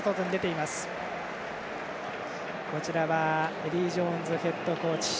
エディー・ジョーンズヘッドコーチ。